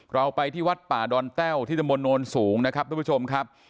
เราไปที่วัดป่าดอนแต้วที่ตะมนตโนนสูงนะครับทุกผู้ชมครับ